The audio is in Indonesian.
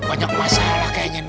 banyak masalah kayaknya nih